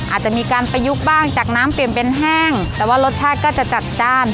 อาจจะมีการประยุกต์บ้างจากน้ำเปลี่ยนเป็นแห้งแต่ว่ารสชาติก็จะจัดจ้าน